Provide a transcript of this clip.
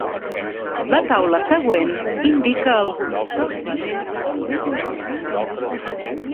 La taula següent indica alguns dels velers més importants.